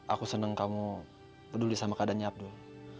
aku senang kamu peduli sama keadaannya abdul